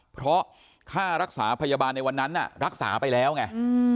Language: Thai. เพราะค่ารักษาพยาบาลในวันนั้นรักษาไปแล้วไง